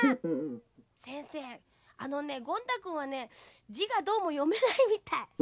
せんせいあのねゴン太くんはねじがどうもよめないみたい。